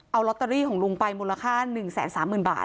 เอาลอตเตอรี่ของลุงไปมูลค่า๑๓๐๐๐บาท